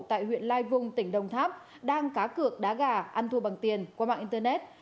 tại huyện lai vung tỉnh đồng tháp đang cá cược đá gà ăn thua bằng tiền qua mạng internet